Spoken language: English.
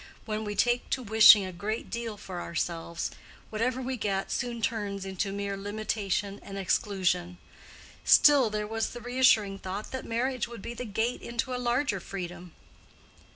When we take to wishing a great deal for ourselves, whatever we get soon turns into mere limitation and exclusion. Still there was the reassuring thought that marriage would be the gate into a larger freedom.